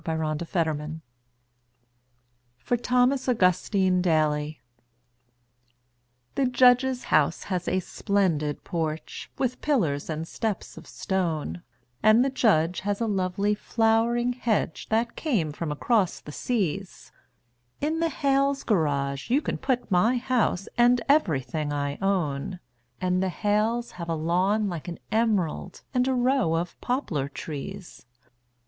The Snowman in the Yard (For Thomas Augustine Daly) The Judge's house has a splendid porch, with pillars and steps of stone, And the Judge has a lovely flowering hedge that came from across the seas; In the Hales' garage you could put my house and everything I own, And the Hales have a lawn like an emerald and a row of poplar trees.